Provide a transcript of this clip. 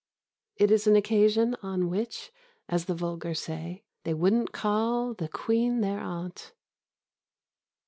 It is an occasion on which, as the vulgar say, they wouldn't call the Queen their aunt....